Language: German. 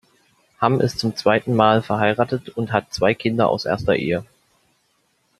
Ham ist zum zweiten Mal verheiratet und hat zwei Kinder aus erster Ehe.